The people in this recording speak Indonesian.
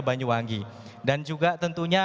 banyuwangi dan juga tentunya